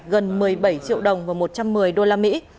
gần một mươi bảy triệu đồng và một trăm một mươi đô la mỹ